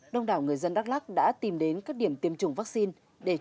đông đảo người dân đắk lắc đã tìm đến các điểm tiêm chủng vaccine